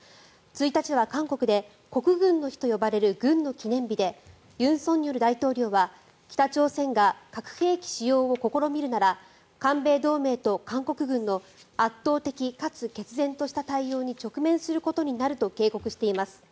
１日は韓国で国軍の日と呼ばれる軍の記念日で尹錫悦大統領は北朝鮮が核兵器を試みるなら韓米同盟と韓国軍の圧倒的かつ決然とした対応に直面することになると警告しています。